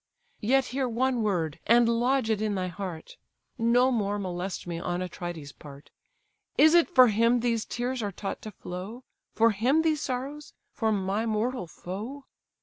Yet hear one word, and lodge it in thy heart: No more molest me on Atrides' part: Is it for him these tears are taught to flow, For him these sorrows? for my mortal foe?